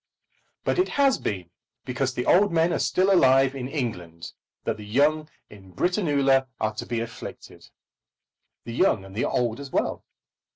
But it has been because the old men are still alive in England that the young in Britannula are to be afflicted, the young and the old as well.